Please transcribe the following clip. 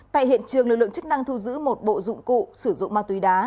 tại hiện trường lực lượng chức năng thu giữ một bộ dụng cụ sử dụng ma túy đá